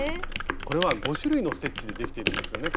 これは５種類のステッチでできているんですよね？